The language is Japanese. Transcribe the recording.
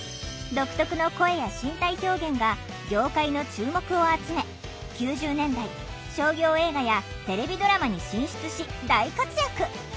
独特の声や身体表現が業界の注目を集め９０年代商業映画やテレビドラマに進出し大活躍！